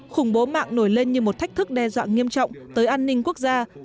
khủng bố mạng nổi lên như một thách thức đe dọa nghiêm trọng tới an ninh quốc gia